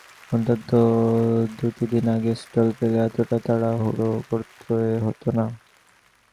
অন্তত দুটি দিন আগে স্টল পেলে এতটা তাড়াহুড়ো করতে হতো না।